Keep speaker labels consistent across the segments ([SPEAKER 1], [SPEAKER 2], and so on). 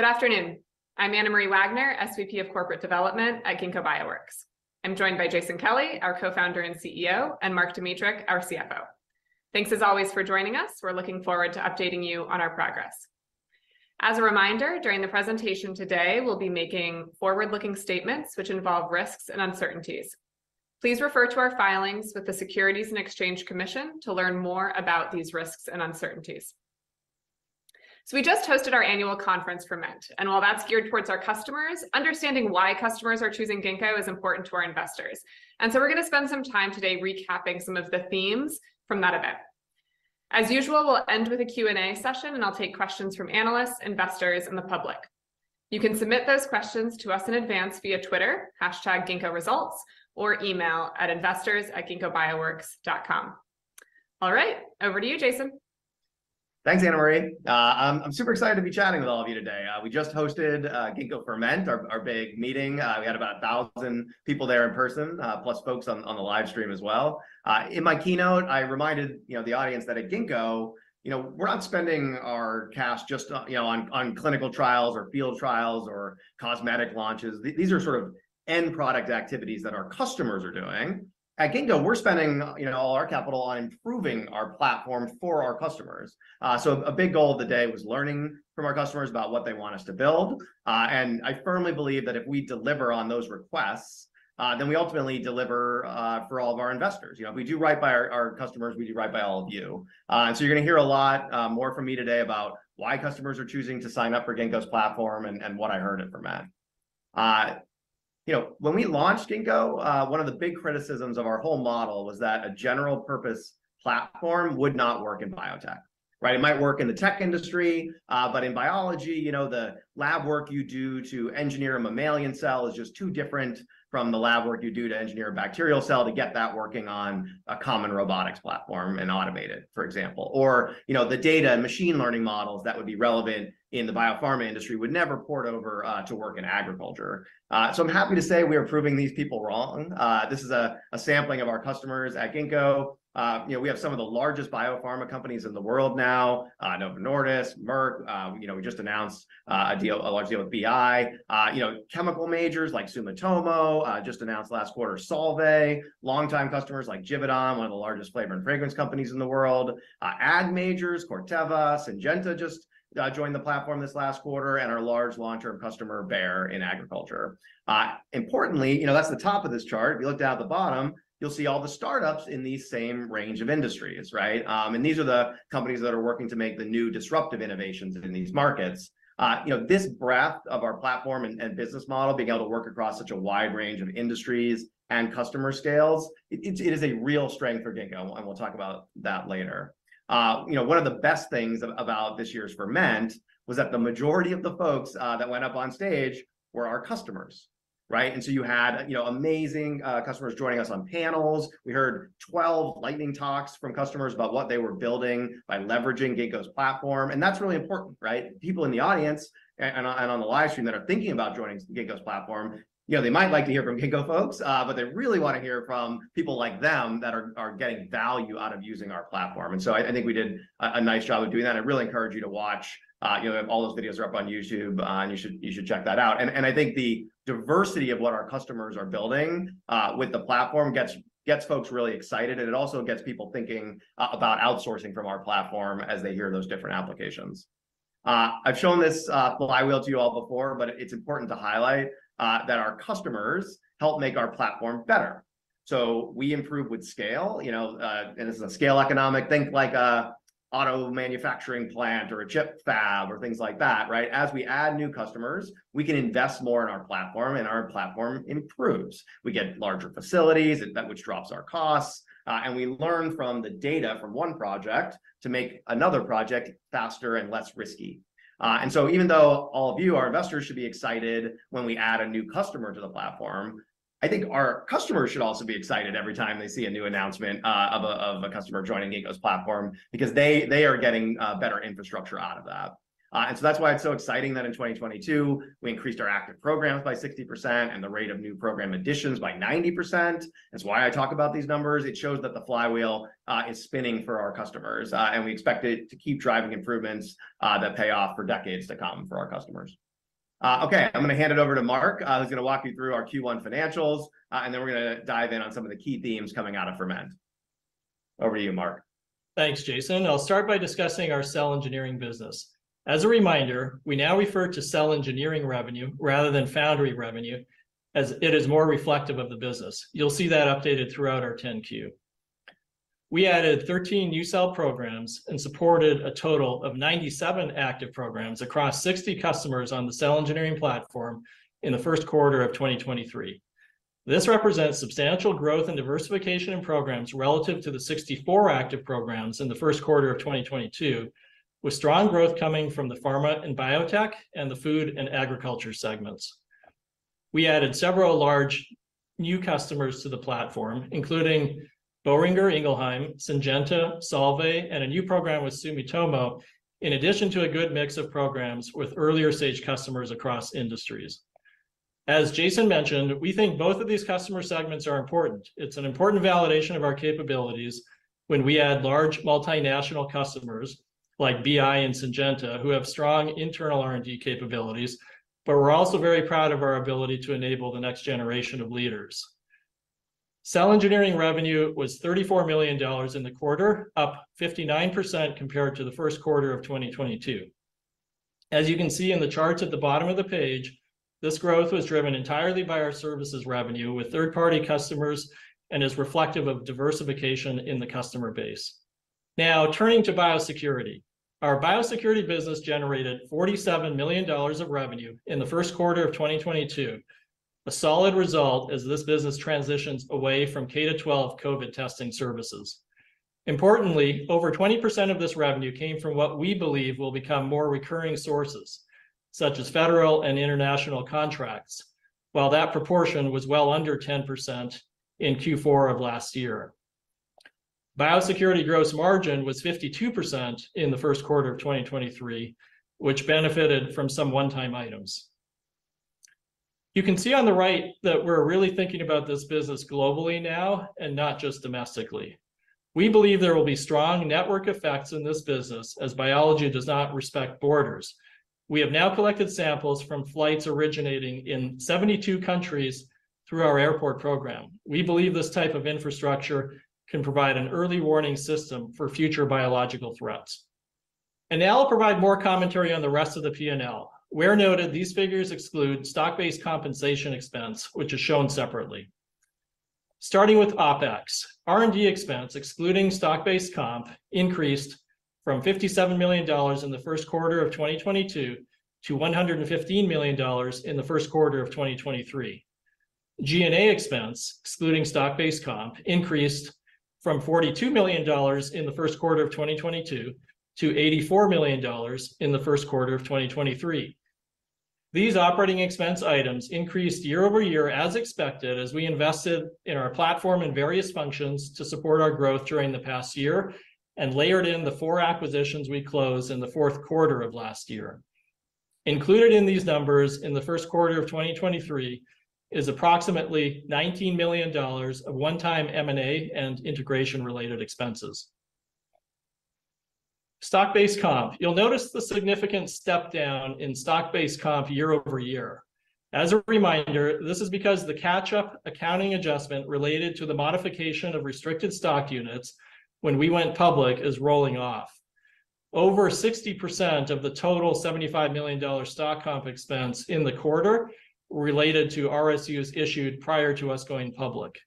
[SPEAKER 1] Good afternoon. I'm Anna Marie Wagner, SVP of Corporate Development at Ginkgo Bioworks. I'm joined by Jason Kelly, our co-founder and CEO, and Mark Dmytruk, our CFO. Thanks as always for joining us. We're looking forward to updating you on our progress. As a reminder, during the presentation today, we'll be making forward-looking statements which involve risks and uncertainties. Please refer to our filings with the Securities and Exchange Commission to learn more about these risks and uncertainties. We just hosted our annual conference, Ferment, and while that's geared towards our customers, understanding why customers are choosing Ginkgo is important to our investors. We're gonna spend some time today recapping some of the themes from that event. As usual, we'll end with a Q&A session, and I'll take questions from analysts, investors, and the public. You can submit those questions to us in advance via Twitter, #GinkgoResults, or email at investors@ginkgobioworks.com. All right, over to you, Jason.
[SPEAKER 2] Thanks, Anna Marie. I'm super excited to be chatting with all of you today. We just hosted Ginkgo Ferment, our big meeting. We had about 1,000 people there in person, plus folks on the live stream as well. In my keynote, I reminded, you know, the audience that at Ginkgo, you know, we're not spending our cash just on, you know, on clinical trials or field trials or cosmetic launches. These are sort of end product activities that our customers are doing. At Ginkgo, we're spending, you know, all our capital on improving our platform for our customers. A big goal of the day was learning from our customers about what they want us to build, and I firmly believe that if we deliver on those requests, then we ultimately deliver for all of our investors. You know, if we do right by our customers, we do right by all of you. You're gonna hear a lot more from me today about why customers are choosing to sign up for Ginkgo's platform and what I heard at Ferment. You know, when we launched Ginkgo, one of the big criticisms of our whole model was that a general purpose platform would not work in biotech, right? It might work in the tech industry, but in biology, you know, the lab work you do to engineer a mammalian cell is just too different from the lab work you do to engineer a bacterial cell to get that working on a common robotics platform and automate it, for example. You know, the data and machine learning models that would be relevant in the biopharma industry would never port over to work in agriculture. I'm happy to say we're proving these people wrong. This is a sampling of our customers at Ginkgo. You know, we have some of the largest biopharma companies in the world now, Novo Nordisk, Merck. You know, we just announced a deal, a large deal with BI. You know, chemical majors like Sumitomo, just announced last quarter Solvay, longtime customers like Givaudan, one of the largest flavor and fragrance companies in the world, ag majors, Corteva, Syngenta just joined the platform this last quarter, and our large long-term customer Bayer in agriculture. Importantly, you know, that's the top of this chart. If you look down at the bottom, you'll see all the startups in these same range of industries, right? These are the companies that are working to make the new disruptive innovations in these markets. You know, this breadth of our platform and business model, being able to work across such a wide range of industries and customer scales, it is a real strength for Ginkgo, and we'll talk about that later. You know, one of the best things about this year's Ferment was that the majority of the folks that went up on stage were our customers, right? You had, you know, amazing customers joining us on panels. We heard 12 lightning talks from customers about what they were building by leveraging Ginkgo's platform, that's really important, right? People in the audience and on the live stream that are thinking about joining Ginkgo's platform, you know, they might like to hear from Ginkgo folks, they really want to hear from people like them that are getting value out of using our platform. I think we did a nice job of doing that. I really encourage you to watch, you know, all those videos are up on YouTube, and you should check that out. I think the diversity of what our customers are building, with the platform gets folks really excited, and it also gets people thinking about outsourcing from our platform as they hear those different applications. I've shown this flywheel to you all before, but it's important to highlight that our customers help make our platform better. We improve with scale, you know, and this is a scale economic. Think like a auto manufacturing plant or a chip fab or things like that, right? As we add new customers, we can invest more in our platform, and our platform improves. We get larger facilities, and that which drops our costs, and we learn from the data from one project to make another project faster and less risky. Even though all of you, our investors, should be excited when we add a new customer to the platform, I think our customers should also be excited every time they see a new announcement, of a customer joining Ginkgo's platform because they are getting, better infrastructure out of that. That's why it's so exciting that in 2022 we increased our active programs by 60% and the rate of new program additions by 90%. That's why I talk about these numbers. It shows that the flywheel is spinning for our customers, and we expect it to keep driving improvements that pay off for decades to come for our customers. Okay, I'm gonna hand it over to Mark, who's gonna walk you through our Q1 financials, and then we're gonna dive in on some of the key themes coming out of Ferment. Over to you, Mark.
[SPEAKER 3] Thanks, Jason. I'll start by discussing our cell engineering business. As a reminder, we now refer to cell engineering revenue rather than foundry revenue, as it is more reflective of the business. You'll see that updated throughout our 10-Q. We added 13 new cell programs and supported a total of 97 active programs across 60 customers on the cell engineering platform in the Q1 of 2023. This represents substantial growth and diversification in programs relative to the 64 active programs in the Q1 of 2022, with strong growth coming from the pharma and biotech and the food and agriculture segments. We added several large new customers to the platform, including Boehringer Ingelheim, Syngenta, Solvay, and a new program with Sumitomo, in addition to a good mix of programs with earlier stage customers across industries. As Jason mentioned, we think both of these customer segments are important. It's an important validation of our capabilities when we add large multinational customers like BI and Syngenta, who have strong internal R&D capabilities. We're also very proud of our ability to enable the next generation of leaders. Cell engineering revenue was $34 million in the quarter, up 59% compared to the Q1 of 2022. As you can see in the charts at the bottom of the page, this growth was driven entirely by our services revenue with third-party customers and is reflective of diversification in the customer base. Turning to biosecurity. Our biosecurity business generated $47 million of revenue in the Q1 of 2022, a solid result as this business transitions away from K-12 COVID testing services. Importantly, over 20% of this revenue came from what we believe will become more recurring sources, such as federal and international contracts, while that proportion was well under 10% in Q4 of last year. Biosecurity gross margin was 52% in the Q1 of 2023, which benefited from some one-time items. You can see on the right that we're really thinking about this business globally now and not just domestically. We believe there will be strong network effects in this business as biology does not respect borders. We have now collected samples from flights originating in 72 countries through our airport program. We believe this type of infrastructure can provide an early warning system for future biological threats. Now I'll provide more commentary on the rest of the P&L. Where noted, these figures exclude stock-based compensation expense, which is shown separately. Starting with OpEx, R&D expense excluding stock-based comp increased from $57 million in the Q1 of 2022 to $115 million in the Q1 of 2023. G&A expense excluding stock-based comp increased from $42 million in the Q1 of 2022 to $84 million in the Q1 of 2023. These operating expense items increased year-over-year as expected as we invested in our platform and various functions to support our growth during the past year and layered in the 4 acquisitions we closed in the Q4 of last year. Included in these numbers in the Q1 of 2023 is approximately $19 million of one-time M&A and integration-related expenses. Stock-based comp. You'll notice the significant step down in stock-based comp year-over-year. As a reminder, this is because the catch-up accounting adjustment related to the modification of restricted stock units when we went public is rolling off. Over 60% of the total $75 million stock comp expense in the quarter related to RSUs issued prior to us going public.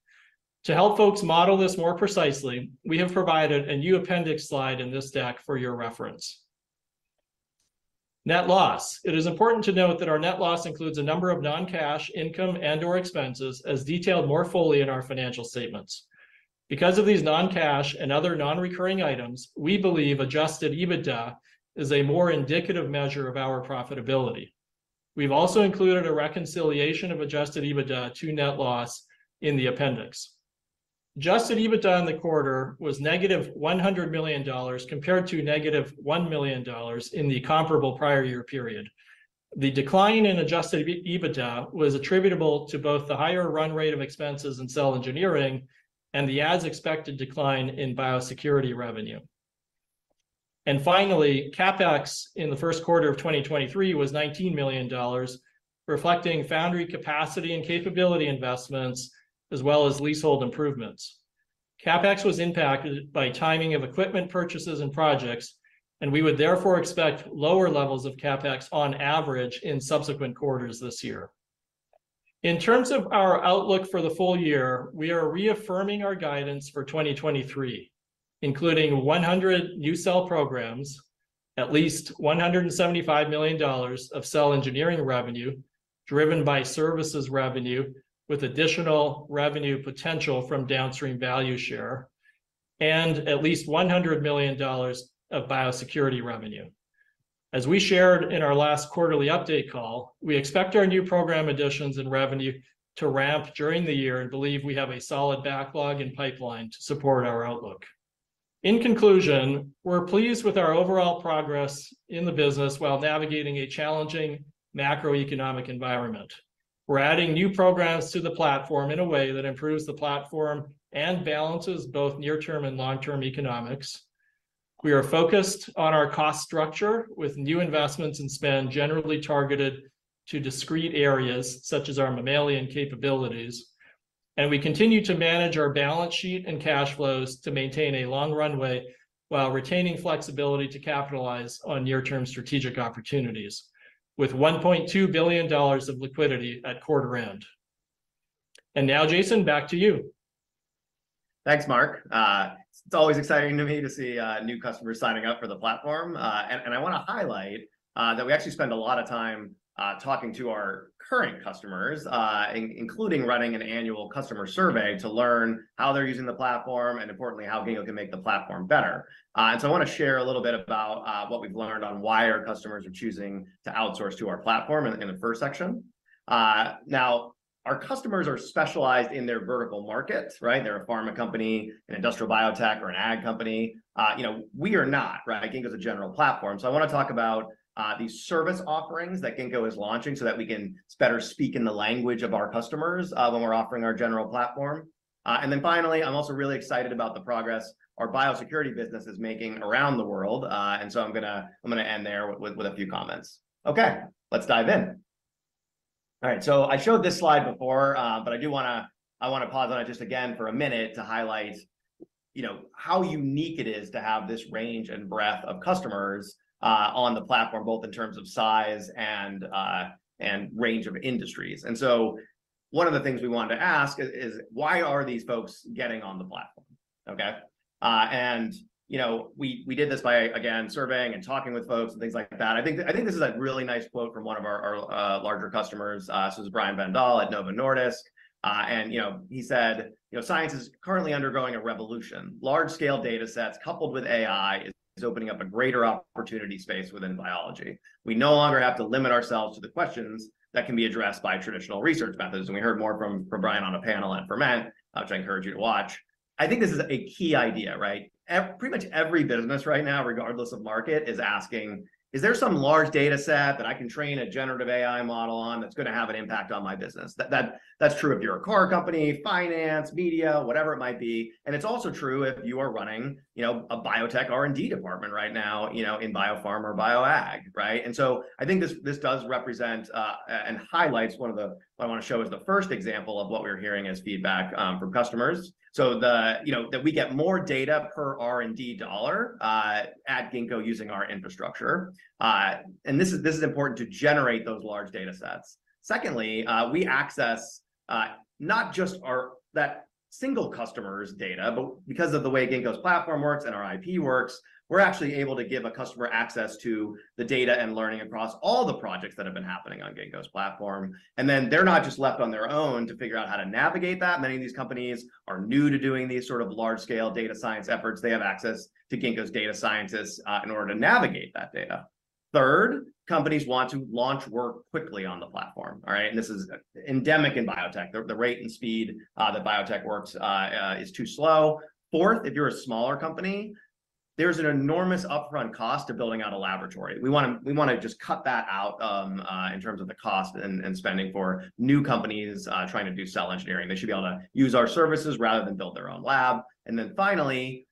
[SPEAKER 3] To help folks model this more precisely, we have provided a new appendix slide in this deck for your reference. Net loss. It is important to note that our net loss includes a number of non-cash income and/or expenses as detailed more fully in our financial statements. Because of these non-cash and other non-recurring items, we believe adjusted EBITDA is a more indicative measure of our profitability. We've also included a reconciliation of adjusted EBITDA to net loss in the appendix. Adjusted EBITDA in the quarter was negative $100 million compared to negative $1 million in the comparable prior year period. The decline in adjusted EBITDA was attributable to both the higher run rate of expenses in cell engineering and the as-expected decline in biosecurity revenue. Finally, CapEx in the Q1 of 2023 was $19 million, reflecting foundry capacity and capability investments as well as leasehold improvements. CapEx was impacted by timing of equipment purchases and projects. We would therefore expect lower levels of CapEx on average in subsequent quarters this year. In terms of our outlook for the full year, we are reaffirming our guidance for 2023, including 100 new cell programs, at least $175 million of cell engineering revenue driven by services revenue with additional revenue potential from downstream value share, and at least $100 million of biosecurity revenue. As we shared in our last quarterly update call, we expect our new program additions and revenue to ramp during the year and believe we have a solid backlog and pipeline to support our outlook. In conclusion, we're pleased with our overall progress in the business while navigating a challenging macroeconomic environment. We're adding new programs to the platform in a way that improves the platform and balances both near-term and long-term economics. We are focused on our cost structure with new investments in spend generally targeted to discrete areas such as our mammalian capabilities. We continue to manage our balance sheet and cash flows to maintain a long runway while retaining flexibility to capitalize on near-term strategic opportunities with $1.2 billion of liquidity at quarter end. Now, Jason, back to you.
[SPEAKER 2] Thanks, Mark. It's always exciting to me to see new customers signing up for the platform. I wanna highlight that we actually spend a lot of time talking to our current customers, including running an annual customer survey to learn how they're using the platform, and importantly, how Ginkgo can make the platform better. I wanna share a little bit about what we've learned on why our customers are choosing to outsource to our platform in the first section. Our customers are specialized in their vertical markets, right? They're a pharma company, an industrial biotech, or an ag company. You know, we are not, right? Ginkgo's a general platform. I wanna talk about these service offerings that Ginkgo is launching so that we can better speak in the language of our customers when we're offering our general platform. Finally, I'm also really excited about the progress our biosecurity business is making around the world. I'm gonna end there with a few comments. Okay. Let's dive in. All right. I showed this slide before, I do wanna pause on it just again for a minute to highlight, you know, how unique it is to have this range and breadth of customers on the platform, both in terms of size and range of industries. One of the things we wanted to ask is why are these folks getting on the platform, okay? You know, we did this by, again, surveying and talking with folks and things like that. I think this is a really nice quote from one of our larger customers, so this is Brian VanDahl at Novo Nordisk. You know, he said, you know, "Science is currently undergoing a revolution. Large scale data sets coupled with AI is opening up a greater opportunity space within biology. We no longer have to limit ourselves to the questions that can be addressed by traditional research methods." We heard more from Brian on a panel at Ferment, which I encourage you to watch. I think this is a key idea, right? pretty much every business right now, regardless of market, is asking, "Is there some large data set that I can train a generative AI model on that's gonna have an impact on my business?" That's true if you're a car company, finance, media, whatever it might be. It's also true if you are running, you know, a biotech R&D department right now, you know, in biopharma or bio ag, right? I think this does represent and highlights one of the, what I wanna show as the first example of what we're hearing as feedback from customers. The, you know, that we get more data per R&D dollar at Ginkgo using our infrastructure. This is, this is important to generate those large data sets. Secondly, we access not just our, that single customer's data, but because of the way Ginkgo's platform works and our IP works, we're actually able to give a customer access to the data and learning across all the projects that have been happening on Ginkgo's platform. They're not just left on their own to figure out how to navigate that. Many of these companies are new to doing these sort of large scale data science efforts. They have access to Ginkgo's data scientists in order to navigate that data. Third, companies want to launch work quickly on the platform. All right? This is endemic in biotech. The rate and speed that biotech works is too slow. Fourth, if you're a smaller company, there's an enormous upfront cost to building out a laboratory. We wanna just cut that out in terms of the cost and spending for new companies trying to do cell engineering. They should be able to use our services rather than build their own lab. Finally,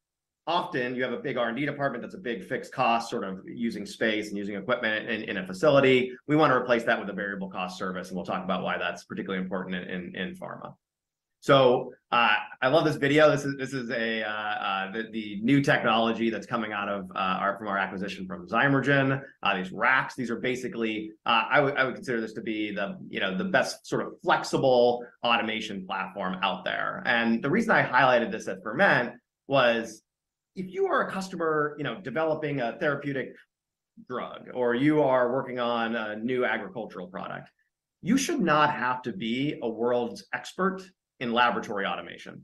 [SPEAKER 2] often you have a big R&D department that's a big fixed cost, sort of using space and using equipment in a facility. We wanna replace that with a variable cost service, and we'll talk about why that's particularly important in pharma. I love this video. This is a new technology that's coming out of our acquisition from Zymergen. These racks, these are basically, I would consider this to be the, you know, the best sort of flexible automation platform out there. The reason I highlighted this at Ferment was if you are a customer, you know, developing a therapeutic drug, or you are working on a new agricultural product, you should not have to be a world expert in laboratory automation,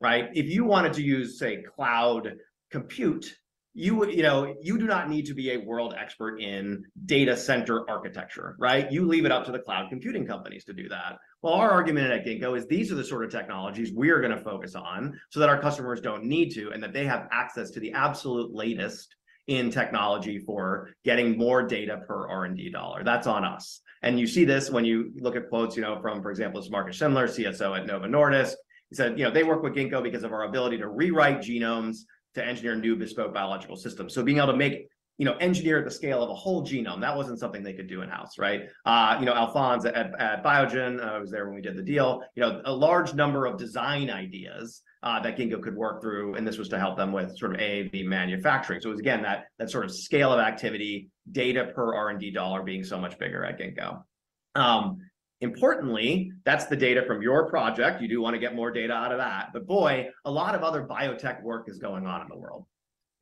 [SPEAKER 2] right? If you wanted to use, say, cloud compute, you would, you know. You do not need to be a world expert in data center architecture, right? You leave it up to the cloud computing companies to do that. Well, our argument at Ginkgo is these are the sort of technologies we're gonna focus on so that our customers don't need to, and that they have access to the absolute latest in technology for getting more data per R&D dollar. That's on us. You see this when you look at quotes, you know, from, for example, this is Markus Schindler, CSO at Novo Nordisk. He said, you know, they work with Ginkgo because of our ability to rewrite genomes to engineer new bespoke biological systems. Being able to make, you know, engineer at the scale of a whole genome, that wasn't something they could do in-house, right? You know, Alphonse at Biogen was there when we did the deal. You know, a large number of design ideas that Ginkgo could work through, and this was to help them with sort of A, B manufacturing. It was again, that sort of scale of activity, data per R&D dollar being so much bigger at Ginkgo. Importantly, that's the data from your project. You do wanna get more data out of that. Boy, a lot of other biotech work is going on in the world,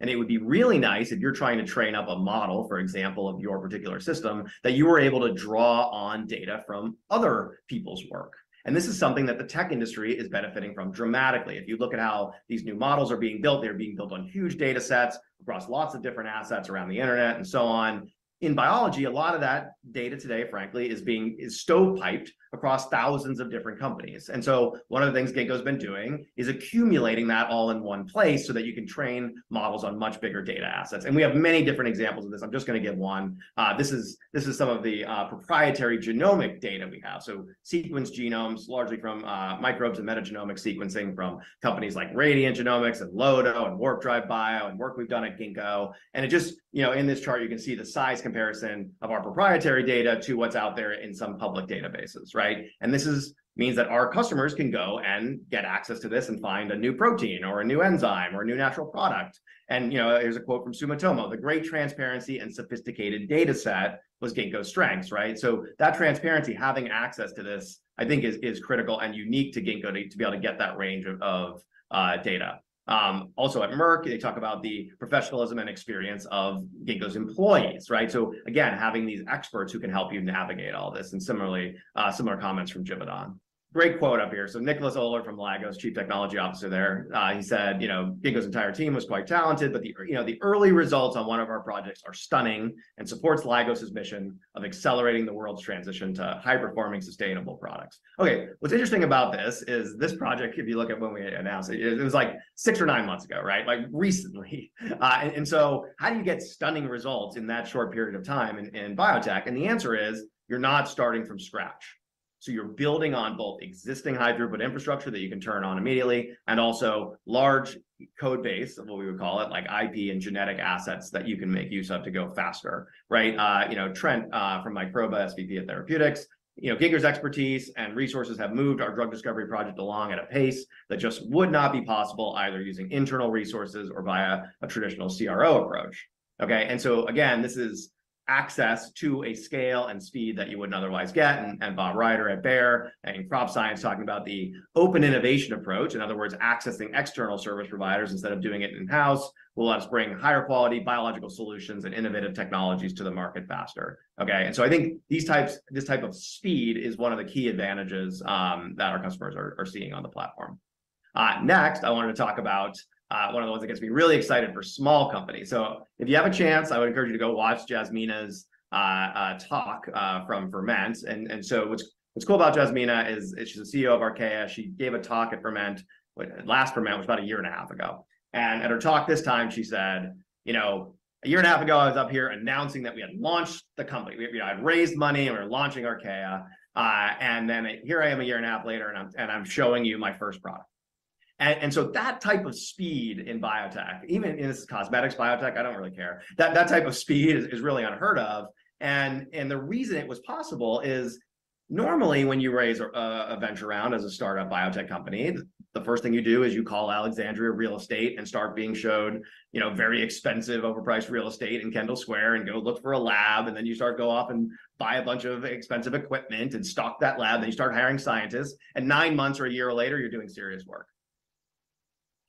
[SPEAKER 2] and it would be really nice if you're trying to train up a model, for example, of your particular system, that you were able to draw on data from other people's work. This is something that the tech industry is benefiting from dramatically. If you look at how these new models are being built, they're being built on huge data sets across lots of different assets around the internet and so on. In biology, a lot of that data today, frankly, is stovepiped across thousands of different companies. One of the things Ginkgo's been doing is accumulating that all in one place so that you can train models on much bigger data assets. We have many different examples of this. I'm just gonna give one. This is some of the proprietary genomic data we have. Sequenced genomes largely from microbes and metagenomic sequencing from companies like Radiant Genomics and Lodo and Warp Drive Bio and work we've done at Ginkgo. It just, you know, in this chart you can see the size comparison of our proprietary data to what's out there in some public databases, right? This means that our customers can go and get access to this and find a new protein or a new enzyme or a new natural product. You know, here's a quote from Sumitomo. "The great transparency and sophisticated data set was Ginkgo's strengths." Right? That transparency, having access to this, I think is critical and unique to Ginkgo to be able to get that range of data. Also at Merck, they talk about the professionalism and experience of Ginkgo's employees, right? Again, having these experts who can help you navigate all this. Similarly, similar comments from Givaudan. Great quote up here. Nicholas Oler from Lygos, Chief Technology Officer there, he said, you know, "Ginkgo's entire team was quite talented, but you know, the early results on one of our projects are stunning and supports Lygos's mission of accelerating the world's transition to high-performing sustainable products." Okay, what's interesting about this is this project, if you look at when we announced it was, like six or nine months ago, right? Like recently. How do you get stunning results in that short period of time in biotech? The answer is you're not starting from scratch. You're building on both existing high-throughput infrastructure that you can turn on immediately and also large code base, what we would call it, like IP and genetic assets that you can make use of to go faster, right? You know, Trent from Microba, SVP of Therapeutics, you know, "Ginkgo's expertise and resources have moved our drug discovery project along at a pace that just would not be possible either using internal resources or via a traditional CRO approach." Okay, again, this is access to a scale and speed that you wouldn't otherwise get. Bob Reiter at Bayer and Crop Science talking about the open innovation approach, in other words, accessing external service providers instead of doing it in-house will let us bring higher quality biological solutions and innovative technologies to the market faster. Okay, I think this type of speed is one of the key advantages that our customers are seeing on the platform. Next, I wanted to talk about one of the ones that gets me really excited for small companies. If you have a chance, I would encourage you to go watch Jasmina's talk from Ferment. What's cool about Jasmina is she's the CEO of Arcaea. She gave a talk at Ferment, last Ferment, it was about a year and a half ago. At her talk this time, she said, you know, "A year and a half ago, I was up here announcing that we had launched the company. We, you know, I'd raised money, and we were launching Arcaea. And then here I am a year and a half later, and I'm showing you my first product. That type of speed in biotech, even in-- this is cosmetics biotech, I don't really care. That type of speed is really unheard of, and the reason it was possible is normally when you raise a venture round as a startup biotech company, the first thing you do is you call Alexandria Real Estate and start being showed, you know, very expensive overpriced real estate in Kendall Square and go look for a lab, and then you start to go off and buy a bunch of expensive equipment and stock that lab, and you start hiring scientists, and 9 months or 1 year later, you're doing serious work.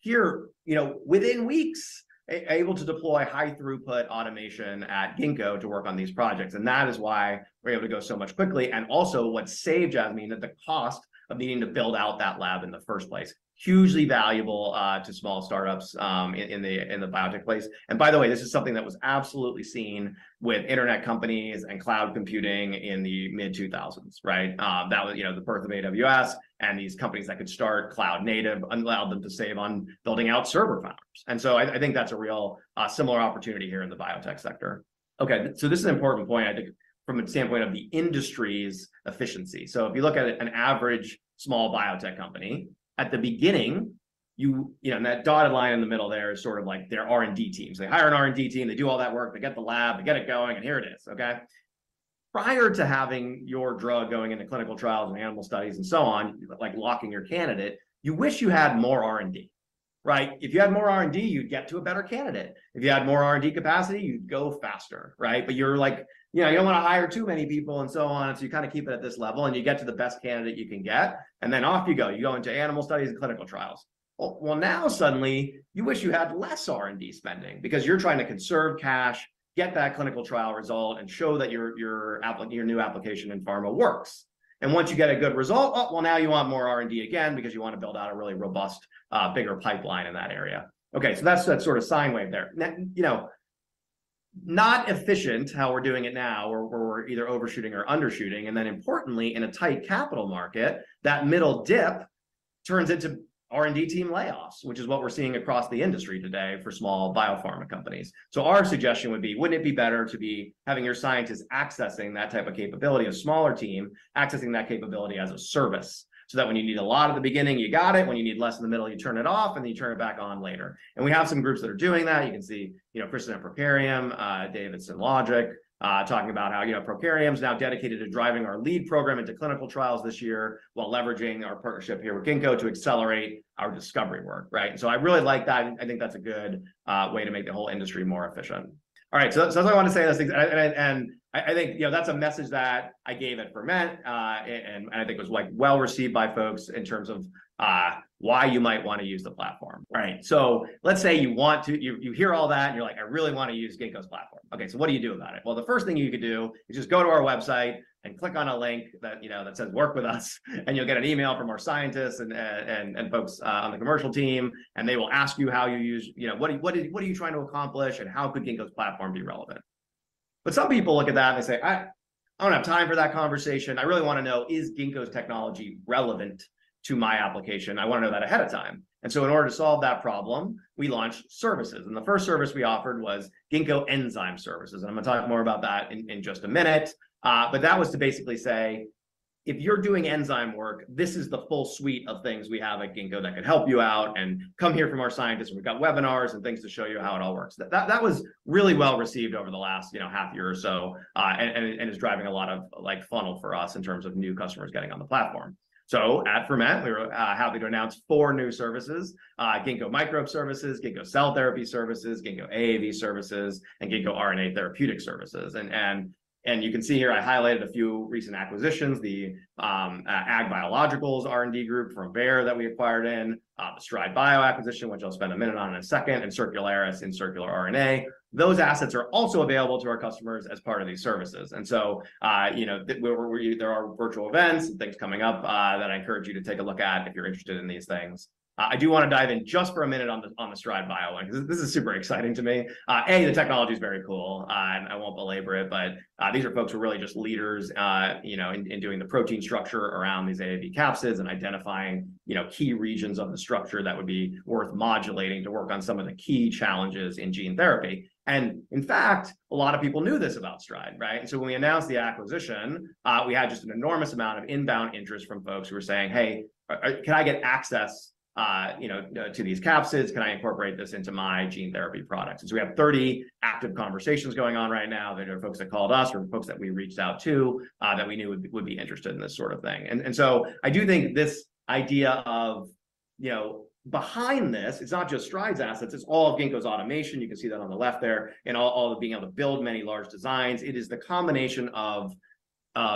[SPEAKER 2] Here, you know, within weeks, able to deploy high-throughput automation at Ginkgo to work on these projects, and that is why we're able to go so much quickly and also what saved Jasmina the cost of needing to build out that lab in the first place. Hugely valuable to small startups in the biotech place. By the way, this is something that was absolutely seen with internet companies and cloud computing in the mid-2000s, right? That was, you know, the birth of AWS and these companies that could start cloud native allowed them to save on building out server farms. I think that's a real similar opportunity here in the biotech sector. Okay, so this is an important point, I think, from the standpoint of the industry's efficiency. If you look at an average small biotech company, at the beginning, you know, that dotted line in the middle there is sort of like their R&D teams. They hire an R&D team, they do all that work, they get the lab, they get it going, and here it is, okay? Prior to having your drug going into clinical trials and animal studies and so on, like locking your candidate, you wish you had more R&D, right? If you had more R&D, you'd get to a better candidate. If you had more R&D capacity, you'd go faster, right? You're like, you know, you don't want to hire too many people and so on, so you kind of keep it at this level, and you get to the best candidate you can get, and then off you go. You go into animal studies and clinical trials. Well, now suddenly you wish you had less R&D spending because you're trying to conserve cash, get that clinical trial result, and show that your new application in pharma works. Once you get a good result, oh, well now you want more R&D again because you want to build out a really robust, bigger pipeline in that area. That's that sort of sine wave there. You know, not efficient how we're doing it now, where we're either overshooting or undershooting. Importantly, in a tight capital market, that middle dip turns into R&D team layoffs, which is what we're seeing across the industry today for small biopharma companies. Our suggestion would be, wouldn't it be better to be having your scientists accessing that type of capability, a smaller team accessing that capability as a service, so that when you need a lot at the beginning, you got it. When you need less in the middle, you turn it off, and then you turn it back on later. We have some groups that are doing that. You can see, you know, Kristen at Prokarium, David at Synlogic, talking about how, you know, Prokarium's now dedicated to driving our lead program into clinical trials this year while leveraging our partnership here with Ginkgo to accelerate our discovery work, right? I really like that, and I think that's a good way to make the whole industry more efficient. All right, I want to say those things, and I think, you know, that's a message that I gave at Ferment, and I think was, like well-received by folks in terms of why you might want to use the platform, right? Let's say you hear all that, and you're like, "I really want to use Ginkgo's platform." Okay, what do you do about it? The first thing you could do is just go to our website and click on a link that, you know, that says work with us, and you'll get an email from our scientists and folks on the commercial team, and they will ask you how you use, you know, what are you trying to accomplish, and how could Ginkgo's platform be relevant? Some people look at that and they say, "I don't have time for that conversation. I really want to know, is Ginkgo's technology relevant to my application? I want to know that ahead of time." In order to solve that problem, we launched services, and the first service we offered was Ginkgo Enzyme Services, and I'm going to talk more about that in just a minute. That was to basically say: If you're doing enzyme work, this is the full suite of things we have at Ginkgo that could help you out, and come hear from our scientists, and we've got webinars and things to show you how it all works. That was really well-received over the last, you know, half year or so, and is driving a lot of, like, funnel for us in terms of new customers getting on the platform. At Ferment, we're happy to announce four new services. Ginkgo microbe services, Ginkgo Cell Therapy Services, Ginkgo AAV Services, and Ginkgo RNA Therapeutics Services. You can see here I highlighted a few recent acquisitions. The Ag Biologicals R&D group from Bayer that we acquired in StrideBio acquisition, which I'll spend a minute on in a second, and Circularis and circular RNA. Those assets are also available to our customers as part of these services. You know, there are virtual events and things coming up that I encourage you to take a look at if you're interested in these things. I do wanna dive in just for a minute on the StrideBio one 'cause this is super exciting to me. A, the technology's very cool. I won't belabor it, but these are folks who are really just leaders, you know, in doing the protein structure around these AAV capsids and identifying, you know, key regions of the structure that would be worth modulating to work on some of the key challenges in gene therapy. In fact, a lot of people knew this about Stride, right? When we announced the acquisition, we had just an enormous amount of inbound interest from folks who were saying, "Hey, can I get access, you know, to these capsids? Can I incorporate this into my gene therapy products?" We have 30 active conversations going on right now that are folks that called us or folks that we reached out to that we knew would be interested in this sort of thing. I do think this idea of, you know, behind this, it's not just Stride's assets, it's all of Ginkgo's automation. You can see that on the left there. All the being able to build many large designs. It is the combination of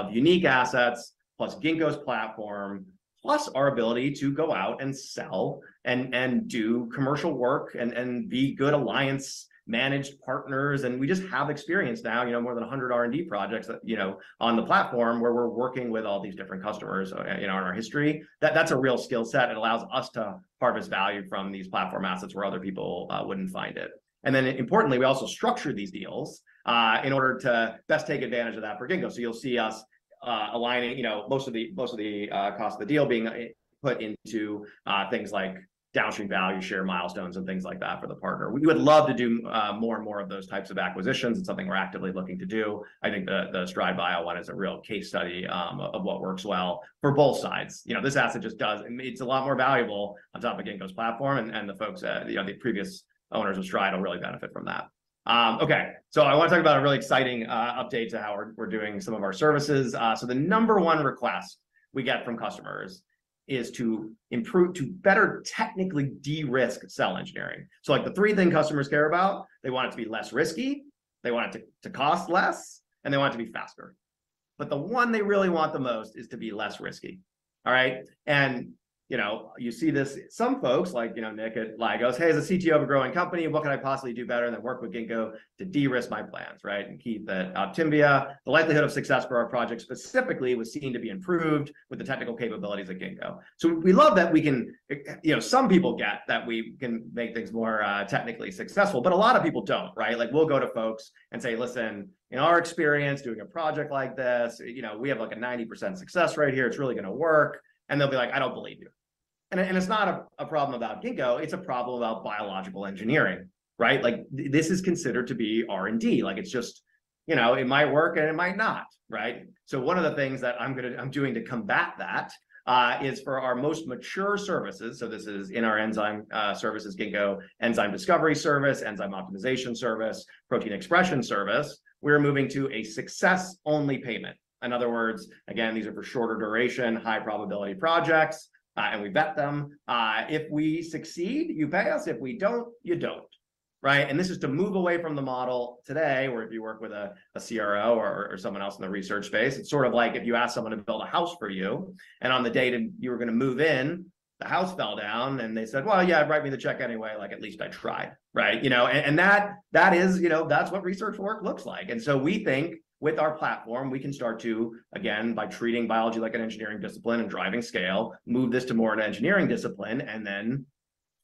[SPEAKER 2] unique assets plus Ginkgo's platform, plus our ability to go out and sell and do commercial work and be good alliance managed partners. We just have experience now, you know, more than 100 R&D projects that, you know, on the platform where we're working with all these different customers, you know, in our history. That's a real skill set. It allows us to harvest value from these platform assets where other people wouldn't find it. Importantly, we also structure these deals in order to best take advantage of that for Ginkgo. You'll see us aligning, you know, most of the cost of the deal being put into things like downstream value share milestones and things like that for the partner. We would love to do more and more of those types of acquisitions. It's something we're actively looking to do. I think the StrideBio one is a real case study of what works well for both sides. You know, this asset it makes a lot more valuable on top of Ginkgo's platform, and the folks, you know, the previous owners of Stride will really benefit from that. Okay. I wanna talk about a really exciting update to how we're doing some of our services. The number one request we get from customers is to better technically de-risk cell engineering. Like, the three thing customers care about, they want it to be less risky, they want it to cost less, and they want it to be faster. The one they really want the most is to be less risky. All right? You know, you see this, some folks like, you know, Nick at Lygos, "Hey, as a CTO of a growing company, what can I possibly do better than work with Ginkgo to de-risk my plans," right? Keith at Optimbia, "The likelihood of success for our project specifically was seen to be improved with the technical capabilities at Ginkgo." We love that we can, you know, some people get that we can make things more technically successful, but a lot of people don't, right? Like, we'll go to folks and say, "Listen, in our experience doing a project like this, you know, we have, like, a 90% success rate here. It's really gonna work." They'll be like, "I don't believe you." It's not a problem about Ginkgo, it's a problem about biological engineering, right? Like, this is considered to be R&D. Like, it's just, you know, it might work and it might not, right? One of the things that I'm doing to combat that is for our most mature services, so this is in our enzyme services, Ginkgo Enzyme Discovery Service, Enzyme Optimization Service, Protein Expression Service, we're moving to a success-only payment. In other words, again, these are for shorter duration, high probability projects, and we vet them. If we succeed, you pay us. If we don't, you don't, right? This is to move away from the model today where if you work with a CRO or someone else in the research space, it's sort of like if you ask someone to build a house for you, and on the date of you were gonna move in, the house fell down, and they said, "Well, yeah, write me the check anyway, like, at least I tried," right? You know, that is, you know, that's what research work looks like. We think with our platform, we can start to, again, by treating biology like an engineering discipline and driving scale, move this to more an engineering discipline and then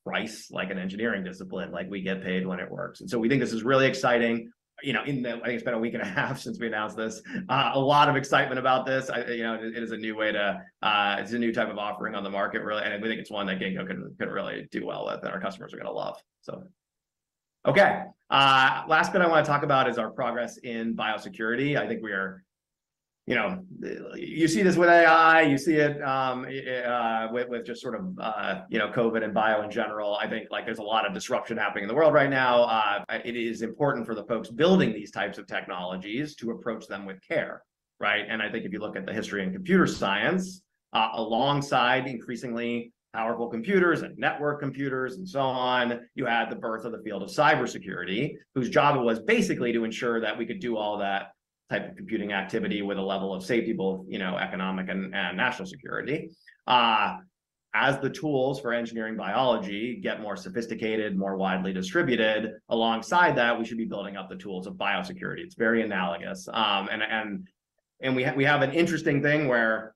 [SPEAKER 2] price like an engineering discipline. Like, we get paid when it works. We think this is really exciting. You know, in the, I think it's been a week and a half since we announced this, a lot of excitement about this. I, you know, it is a new way to, it's a new type of offering on the market, really, and we think it's one that Ginkgo can really do well with and our customers are gonna love. Okay. Last bit I wanna talk about is our progress in biosecurity. I think we are, you know. You see this with AI, you see it, with just sort of, you know, COVID and bio in general. I think, like, there's a lot of disruption happening in the world right now. It is important for the folks building these types of technologies to approach them with care, right? I think if you look at the history in computer science, alongside increasingly powerful computers and network computers and so on, you had the birth of the field of cybersecurity, whose job it was basically to ensure that we could do all that type of computing activity with a level of safety both, you know, economic and national security. As the tools for engineering biology get more sophisticated, more widely distributed, alongside that, we should be building up the tools of biosecurity. It's very analogous. We have an interesting thing where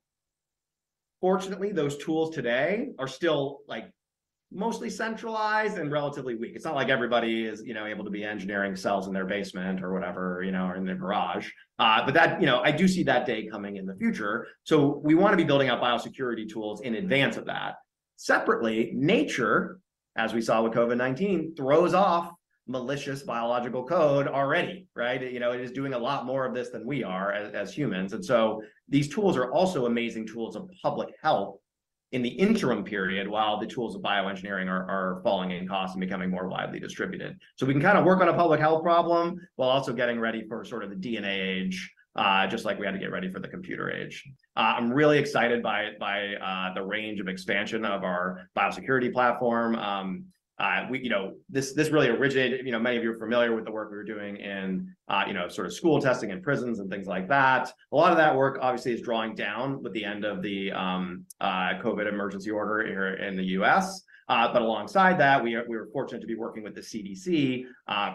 [SPEAKER 2] fortunately those tools today are still, like, mostly centralized and relatively weak. It's not like everybody is, you know, able to be engineering cells in their basement or whatever, you know, or in their garage. That, you know, I do see that day coming in the future, so we wanna be building out biosecurity tools in advance of that. Separately, nature, as we saw with COVID-19, throws off malicious biological code already, right? You know, it is doing a lot more of this than we are as humans. These tools are also amazing tools of public health in the interim period while the tools of bioengineering are falling in cost and becoming more widely distributed. We can kind of work on a public health problem while also getting ready for sort of the DNA age, just like we had to get ready for the computer age. I'm really excited by the range of expansion of our biosecurity platform. We, you know, this really originated, you know, many of you are familiar with the work we were doing in, you know, sort of school testing and prisons and things like that. A lot of that work obviously is drawing down with the end of the COVID emergency order here in the U.S. Alongside that, we are, we're fortunate to be working with the CDC,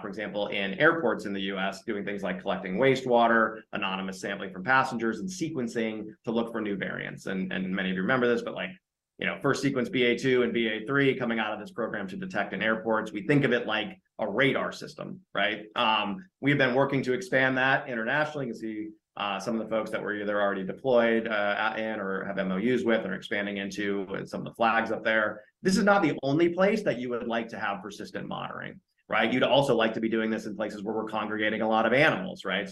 [SPEAKER 2] for example, in airports in the U.S. doing things like collecting wastewater, anonymous sampling from passengers and sequencing to look for new variants. Many of you remember this, but like, you know, first sequenced BA.2 and BA.3 coming out of this program to detect in airports. We think of it like a radar system, right? We have been working to expand that internationally. You can see some of the folks that we're either already deployed and/or have MOUs with or expanding into, and some of the flags up there. This is not the only place that you would like to have persistent monitoring, right? You'd also like to be doing this in places where we're congregating a lot of animals, right?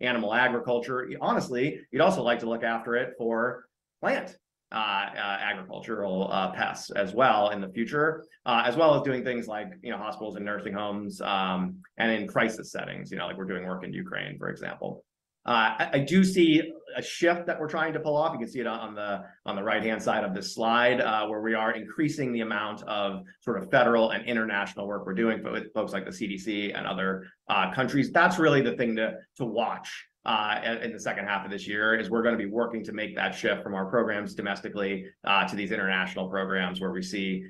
[SPEAKER 2] Animal agriculture. Honestly, you'd also like to look after it for plant agricultural pests as well in the future, as well as doing things like, you know, hospitals and nursing homes, and in crisis settings. You know, like we're doing work in Ukraine, for example. I do see a shift that we're trying to pull off. You can see it on the, on the right-hand side of this slide, where we are increasing the amount of sort of federal and international work we're doing with folks like the CDC and other countries. That's really the thing to watch, in the second half of this year is we're gonna be working to make that shift from our programs domestically, to these international programs where we see,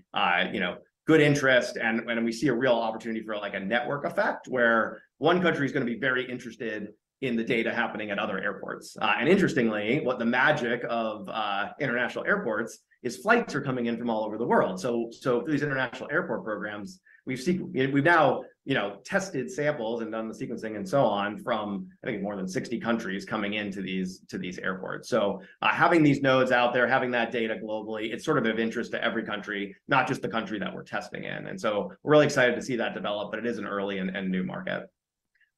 [SPEAKER 2] you know, good interest and we see a real opportunity for like a network effect where one country is gonna be very interested in the data happening at other airports. Interestingly, what the magic of international airports is flights are coming in from all over the world. These international airport programs, we've now, you know, tested samples and done the sequencing and so on from I think more than 60 countries coming into these, to these airports. Having these nodes out there, having that data globally, it's sort of interest to every country, not just the country that we're testing in. We're really excited to see that develop, but it is an early and new market.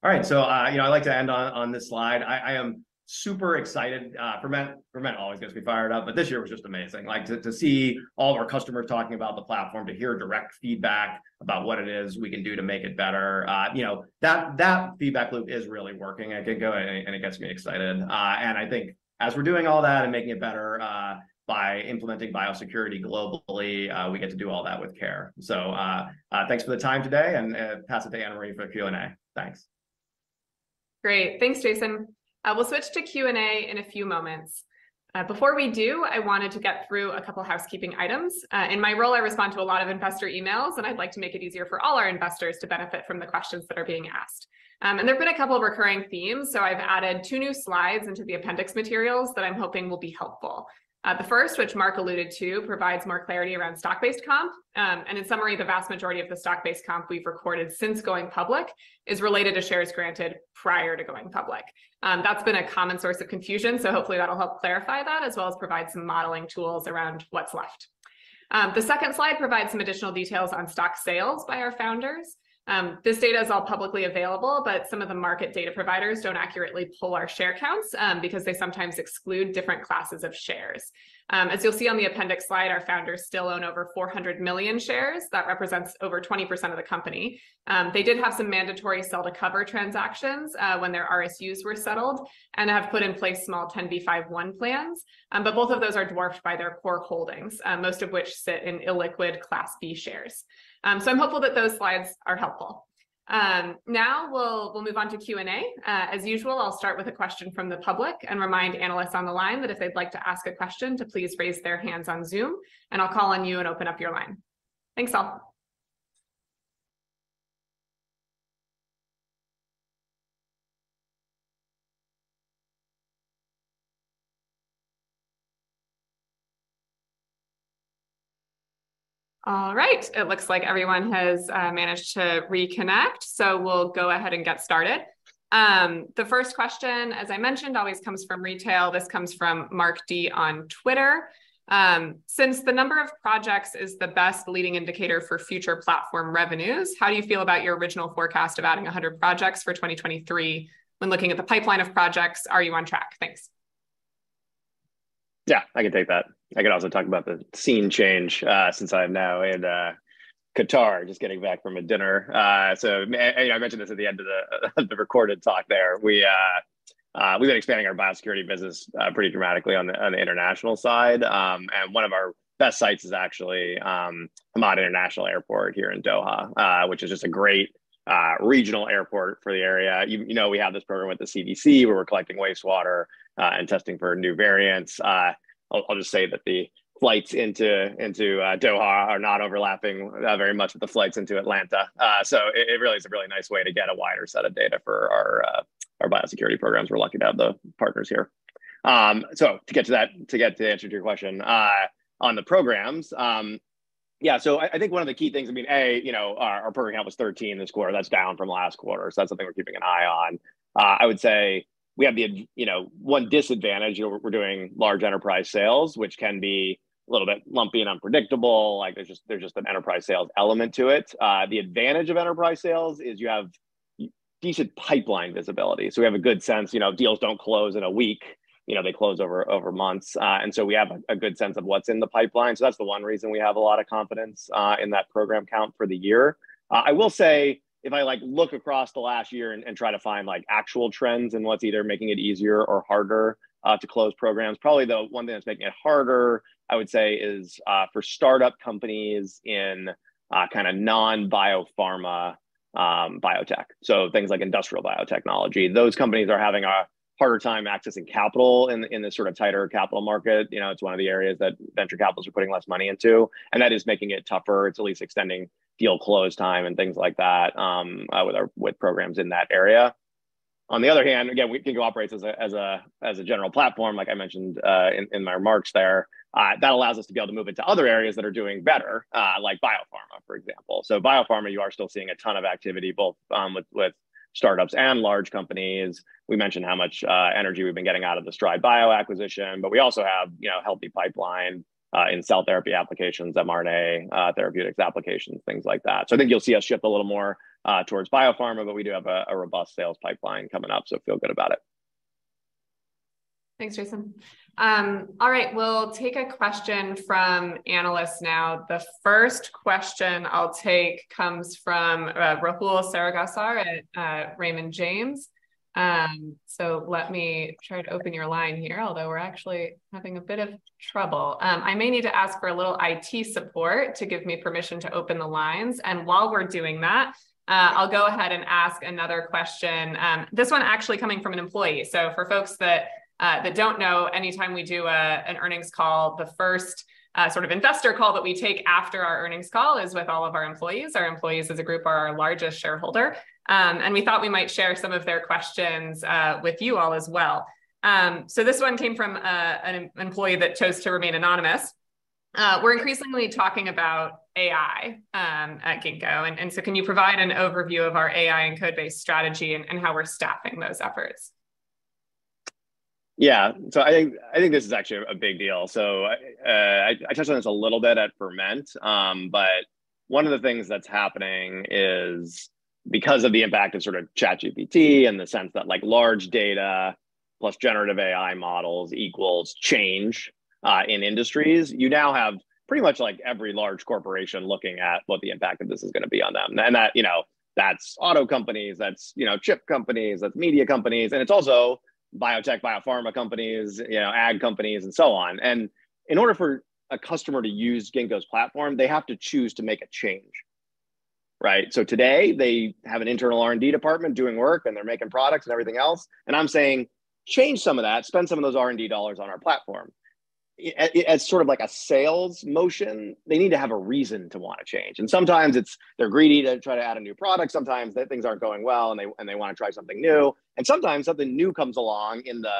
[SPEAKER 2] All right. You know, I'd like to end on this slide. I am super excited. For me, I always get to be fired up, but this year was just amazing. Like to see all of our customers talking about the platform, to hear direct feedback about what it is we can do to make it better. You know, that feedback loop is really working. I could go on, and it gets me excited. I think as we're doing all that and making it better, by implementing biosecurity globally, we get to do all that with care. Thanks for the time today and, pass it to Anna Marie for Q&A. Thanks.
[SPEAKER 1] Great. Thanks, Jason. We'll switch to Q&A in a few moments. Before we do, I wanted to get through a couple of housekeeping items. In my role, I respond to a lot of investor emails, and I'd like to make it easier for all our investors to benefit from the questions that are being asked. There have been a couple of recurring themes, so I've added two new slides into the appendix materials that I'm hoping will be helpful. The first, which Mark alluded to, provides more clarity around stock-based comp. In summary, the vast majority of the stock-based comp we've recorded since going public is related to shares granted prior to going public. That's been a common source of confusion, so hopefully that'll help clarify that as well as provide some modeling tools around what's left. The second slide provides some additional details on stock sales by our founders. This data is all publicly available, but some of the market data providers don't accurately pull our share counts, because they sometimes exclude different classes of shares. As you'll see on the appendix slide, our founders still own over 400 million shares. That represents over 20% of the company. They did have some mandatory sell-to-cover transactions, when their RSUs were settled and have put in place small 10b5-1 plans. Both of those are dwarfed by their core holdings, most of which sit in illiquid Class B shares. I'm hopeful that those slides are helpful. Now we'll move on to Q&A. As usual, I'll start with a question from the public and remind analysts on the line that if they'd like to ask a question to please raise their hands on Zoom, and I'll call on you and open up your line. Thanks, all. All right. It looks like everyone has managed to reconnect, so we'll go ahead and get started. The first question, as I mentioned, always comes from retail. This comes from Mark D. on Twitter. Since the number of projects is the best leading indicator for future platform revenues, how do you feel about your original forecast of adding 100 projects for 2023? When looking at the pipeline of projects, are you on track? Thanks.
[SPEAKER 2] Yeah, I can take that. I can also talk about the scene change, since I'm now in Qatar, just getting back from a dinner. I mentioned this at the end of the recorded talk there. We've been expanding our biosecurity business pretty dramatically on the international side. One of our best sites is actually Hamad International Airport here in Doha, which is just a great regional airport for the area. You know, we have this program with the CDC, where we're collecting wastewater and testing for new variants. I'll just say that the flights into Doha are not overlapping very much with the flights into Atlanta. It, it really is a really nice way to get a wider set of data for our biosecurity programs. We're lucky to have the partners here. To get to the answer to your question, on the programs. Yeah, I think one of the key things, I mean, A, you know, our program count was 13 this quarter, that's down from last quarter, that's something we're keeping an eye on. I would say we have you know, one disadvantage, you know, we're doing large enterprise sales, which can be a little bit lumpy and unpredictable, like, there's just an enterprise sales element to it. The advantage of enterprise sales is you have decent pipeline visibility, we have a good sense. You know, deals don't close in a week, you know, they close over months. We have a good sense of what's in the pipeline. That's the one reason we have a lot of confidence in that program count for the year. I will say if I, like, look across the last year and try to find, like, actual trends and what's either making it easier or harder to close programs, probably the one thing that's making it harder, I would say, is for startup companies in kind of non-biopharma biotech. Things like industrial biotechnology. Those companies are having a harder time accessing capital in the sort of tighter capital market. You know, it's one of the areas that venture capitalists are putting less money into, that is making it tougher. It's at least extending deal close time and things like that, with our programs in that area. On the other hand, again, Ginkgo operates as a general platform, like I mentioned, in my remarks there. That allows us to be able to move into other areas that are doing better, like biopharma, for example. Biopharma, you are still seeing a ton of activity both with startups and large companies. We mentioned how much energy we've been getting out of the StrideBio acquisition, but we also have, you know, healthy pipeline in cell therapy applications, mRNA therapeutics applications, things like that. I think you'll see us shift a little more towards biopharma, but we do have a robust sales pipeline coming up, feel good about it.
[SPEAKER 1] Thanks, Jason. All right. We'll take a question from analysts now. The first question I'll take comes from Rahul Sarugaser at Raymond James. Let me try to open your line here, although we're actually having a bit of trouble. I may need to ask for a little IT support to give me permission to open the lines, and while we're doing that, I'll go ahead and ask another question. This one actually coming from an employee. For folks that don't know, anytime we do an earnings call, the first sort of investor call that we take after our earnings call is with all of our employees. Our employees as a group are our largest shareholder. We thought we might share some of their questions with you all as well. This one came from an employee that chose to remain anonymous. We're increasingly talking about AI at Ginkgo, and so can you provide an overview of our AI and code-based strategy and how we're staffing those efforts?
[SPEAKER 2] Yeah. I think this is actually a big deal. I touched on this a little bit at Ferment. One of the things that's happening is because of the impact of sort of ChatGPT and the sense that, like, large data plus generative AI models equals change in industries, you now have pretty much, like, every large corporation looking at what the impact of this is gonna be on them. That, you know, that's auto companies, that's, you know, chip companies, that's media companies, and it's also biotech, biopharma companies, you know, ag companies, and so on. In order for a customer to use Ginkgo's platform, they have to choose to make a change, right? Today they have an internal R&D department doing work, and they're making products and everything else, and I'm saying, "Change some of that. Spend some of those R&D dollars on our platform." As sort of like a sales motion, they need to have a reason to wanna change, and sometimes it's they're greedy, they're trying to add a new product, sometimes that things aren't going well and they wanna try something new, and sometimes something new comes along in the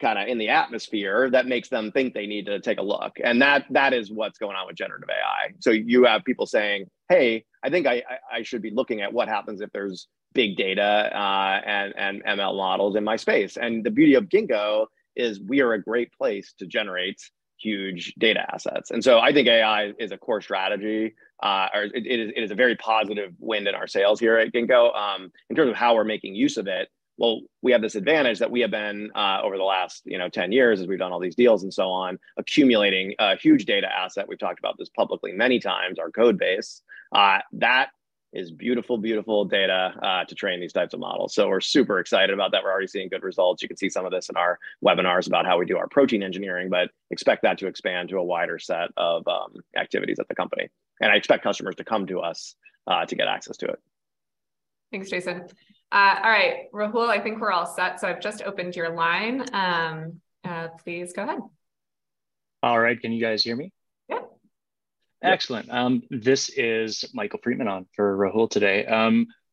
[SPEAKER 2] kinda in the atmosphere that makes them think they need to take a look. That is what's going on with generative AI. You have people saying, "Hey, I think I should be looking at what happens if there's big data and ML models in my space." The beauty of Ginkgo is we are a great place to generate huge data assets, I think AI is a core strategy. It is a very positive win in our sales here at Ginkgo. In terms of how we're making use of it, well, we have this advantage that we have been over the last, you know, 10 years as we've done all these deals and so on, accumulating a huge data asset. We've talked about this publicly many times, our code base. That is beautiful data to train these types of models. We're super excited about that. We're already seeing good results. You can see some of this in our webinars about how we do our protein engineering. Expect that to expand to a wider set of activities at the company, and I expect customers to come to us to get access to it.
[SPEAKER 1] Thanks, Jason. All right. Rahul, I think we're all set. I've just opened your line. Please go ahead.
[SPEAKER 4] All right. Can you guys hear me?
[SPEAKER 1] Yeah.
[SPEAKER 4] Excellent. This is Michael Friedman on for Rahul today.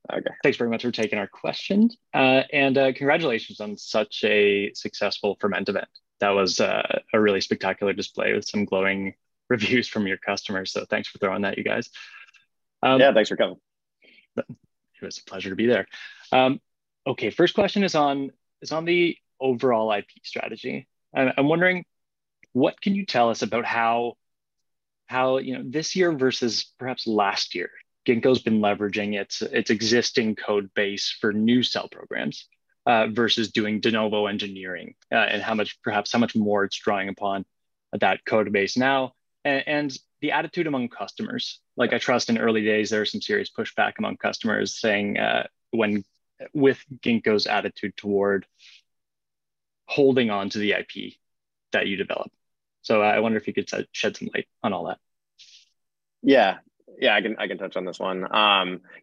[SPEAKER 2] Okay.
[SPEAKER 4] Thanks very much for taking our question. Congratulations on such a successful Ferment event. That was a really spectacular display with some glowing reviews from your customers, thanks for throwing that, you guys.
[SPEAKER 2] Yeah, thanks for coming.
[SPEAKER 4] It was a pleasure to be there. Okay, first question is on the overall IP strategy. I'm wondering what can you tell us about how, you know, this year versus perhaps last year Ginkgo's been leveraging its existing code base for new cell programs versus doing de novo engineering and how much, perhaps how much more it's drawing upon that code base now and the attitude among customers. Like, I trust in early days there was some serious pushback among customers saying, when, with Ginkgo's attitude toward holding onto the IP that you develop. I wonder if you could shed some light on all that.
[SPEAKER 2] Yeah, I can touch on this one.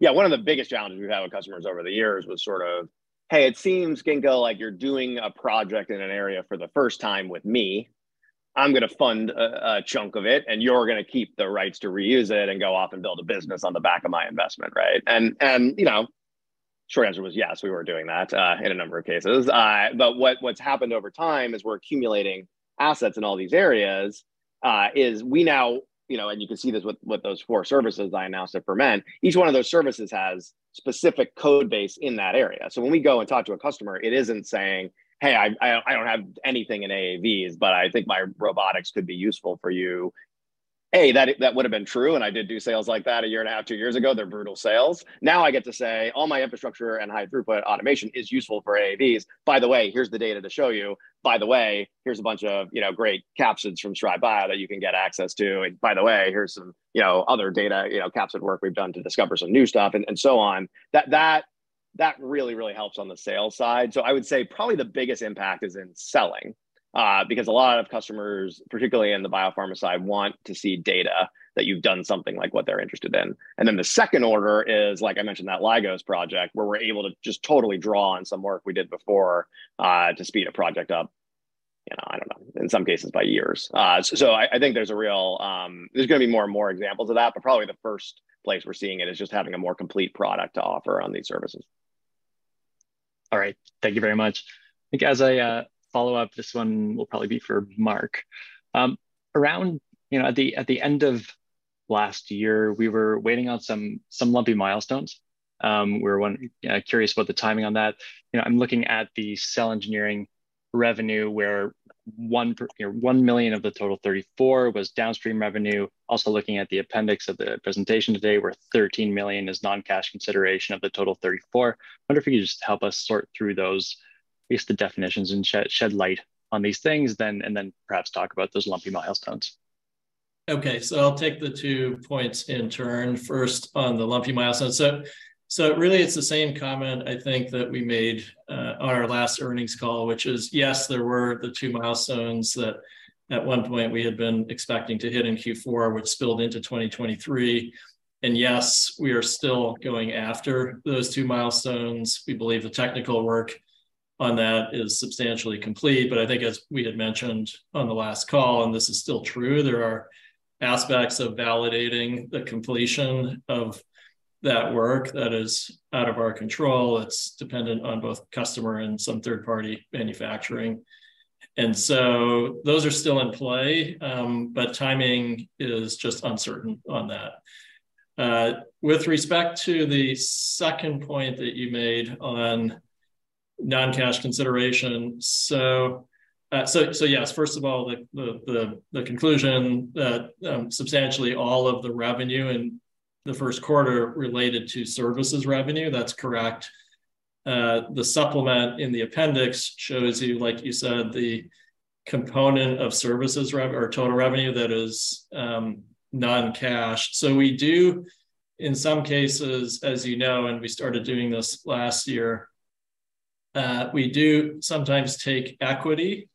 [SPEAKER 2] Yeah, one of the biggest challenges we've had with customers over the years was sort of, "Hey, it seems, Ginkgo, like you're doing a project in an area for the first time with me. I'm gonna fund a chunk of it, and you're gonna keep the rights to reuse it and go off and build a business on the back of my investment," right? You know, short answer was yes, we were doing that in a number of cases. What's happened over time as we're accumulating assets in all these areas, is we now, you know, and you can see this with those four services I announced at Ferment, each one of those services has specific code base in that area. When we go and talk to a customer, it isn't saying, "Hey, I don't have anything in AAVs, but I think my robotics could be useful for you." That would have been true, and I did do sales like that a year and a half, two years ago. They're brutal sales. Now I get to say, "All my infrastructure and high throughput automation is useful for AAVs. By the way, here's the data to show you. By the way, here's a bunch of, you know, great capsids from StrideBio that you can get access to. By the way, here's some, you know, other data, you know, capsid work we've done to discover some new stuff," and so on. That really, really helps on the sales side. I would say probably the biggest impact is in selling, because a lot of customers, particularly in the biopharma side, want to see data that you've done something like what they're interested in. Then the second order is, like I mentioned, that Lygos project, where we're able to just totally draw on some work we did before, to speed a project up, you know, I don't know, in some cases by years. I think there's a real. There's gonna be more and more examples of that, but probably the first place we're seeing it is just having a more complete product to offer on these services.
[SPEAKER 4] All right. Thank you very much. I think as I follow up, this one will probably be for Mark. Around, you know, at the end of last year, we were waiting on some lumpy milestones. We're wondering, curious about the timing on that. You know, I'm looking at the cell engineering revenue where you know, $1 million of the total $34 was downstream revenue. Looking at the appendix of the presentation today where $13 million is non-cash consideration of the total $34. Wonder if you could just help us sort through those, at least the definitions, and shed light on these things then, and then perhaps talk about those lumpy milestones?
[SPEAKER 3] Okay, I'll take the two points in turn, first on the lumpy milestones. So really it's the same comment I think that we made on our last earnings call, which is yes, there were the two milestones that at one point we had been expecting to hit in Q4, which spilled into 2023. Yes, we are still going after those two milestones. We believe the technical work on that is substantially complete. I think as we had mentioned on the last call, and this is still true, there are aspects of validating the completion of that work that is out of our control. It's dependent on both customer and some third-party manufacturing. So those are still in play, but timing is just uncertain on that. With respect to the second point that you made on non-cash consideration, yes, first of all, the conclusion that substantially all of the revenue in the Q1 related to services revenue, that's correct. The supplement in the appendix shows you, like you said, the component of services or total revenue that is non-cash. We do in some cases, as you know, and we started doing this last year, we do sometimes take equity